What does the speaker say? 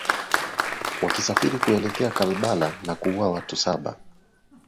wakisafiri kuelekea kalbala na kuua watu saba